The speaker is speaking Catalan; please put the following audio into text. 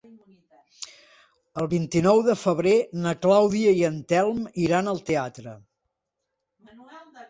El vint-i-nou de febrer na Clàudia i en Telm iran al teatre.